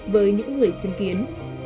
với những người chân kiến